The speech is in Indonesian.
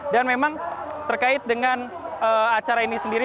dan memang terkait dengan acara ini sendiri